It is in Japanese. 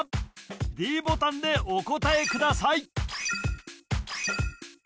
ｄボタンでお答えください